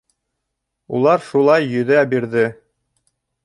Улар шулай йөҙә бирҙе.